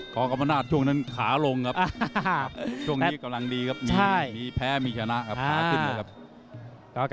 กรรมนาศช่วงนั้นขาลงครับช่วงนี้กำลังดีครับมีแพ้มีชนะครับขาขึ้นนะครับ